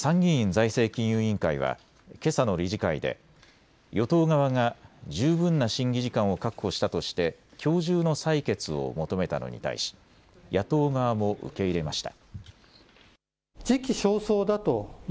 財政金融委員会はけさの理事会で与党側が十分な審議時間を確保したとしてきょう中の採決を求めたのに対し野党側も受け入れました。